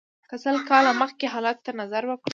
که سل کاله مخکې حالاتو ته نظر وکړو.